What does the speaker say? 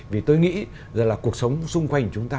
vì tôi nghĩ rằng là cuộc sống xung quanh chúng ta